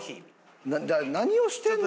何をしてるの？